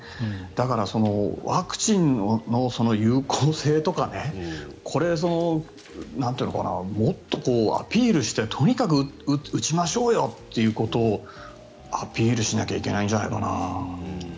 だから、ワクチンの有効性とかこれ、もっとアピールしてとにかく打ちましょうよということをアピールしなきゃいけないんじゃないかな。